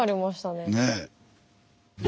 ねえ。